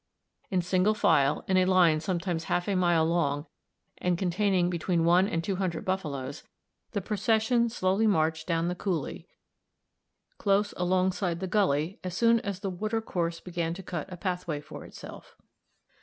In single file, in a line sometimes half a mile long and containing between one and two hundred buffaloes, the procession slowly marched down the coulée, close alongside the gully as soon as the water course began to cut a pathway for itself.